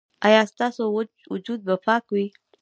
ایا ستاسو وجود به پاک وي؟